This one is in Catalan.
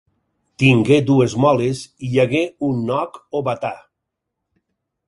Tingué dues moles i hi hagué un noc o batà.